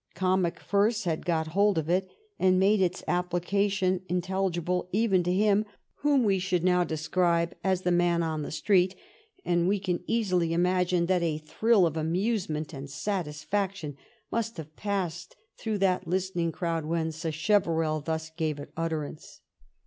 Comic verse had got hold of it and made its applica tion intelligible even to him whom we should now describe as the '^ man in the street,'' and we can easily imagine that a thrill of amusement and satisfaction must have passed through that listening crowd when Sacheverell thus gave it utterance.